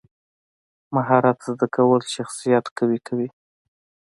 مهارت زده کول شخصیت قوي کوي.